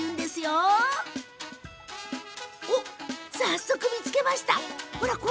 早速、見つけました。